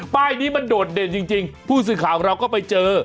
ป้ายนี้มันโดดเด่นจริงผู้สื่อข่าวของเราก็ไปเจอ